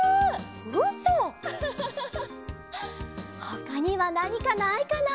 ほかにはなにかないかな。